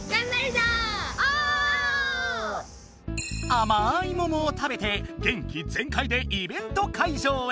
あまい桃を食べて元気ぜんかいでイベント会場へ！